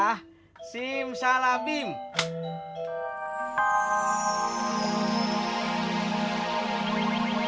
eh apaan sih ini